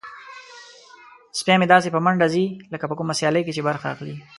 سپی مې داسې په منډه ځي لکه په کومه سیالۍ کې چې برخه اخلي.